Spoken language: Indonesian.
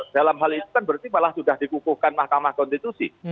dalam hal itu kan berarti malah sudah dikukuhkan mahkamah konstitusi